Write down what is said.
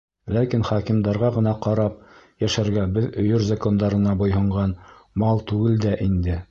Ләкин хакимдарға ғына ҡарап йәшәргә беҙ өйөр закондарына буйһонған мал түгел дә инде.